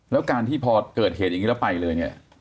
แล้วการที่พอเกิดเหตุอีกแล้วไปแล้วเนี่ย